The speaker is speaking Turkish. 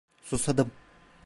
Susadım.